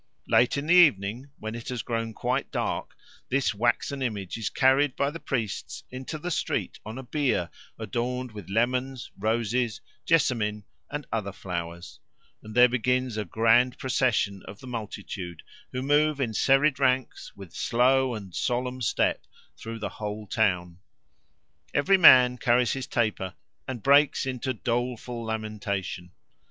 Late in the evening, when it has grown quite dark, this waxen image is carried by the priests into the street on a bier adorned with lemons, roses, jessamine, and other flowers, and there begins a grand procession of the multitude, who move in serried ranks, with slow and solemn step, through the whole town. Every man carries his taper and breaks out into doleful lamentation.